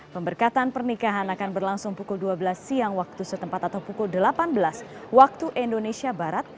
pemberkatan pernikahan akan berlangsung pukul dua belas siang waktu setempat atau pukul delapan belas waktu indonesia barat